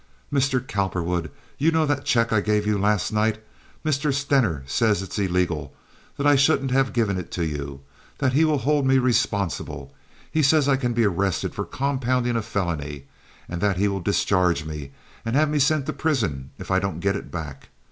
"Mr. Cowperwood! You know that check I gave you last night? Mr. Stener says it's illegal, that I shouldn't have given it to you, that he will hold me responsible. He says I can be arrested for compounding a felony, and that he will discharge me and have me sent to prison if I don't get it back.